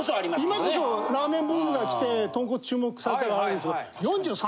今こそラーメンブームが来て豚骨注目されたからあるんですけど。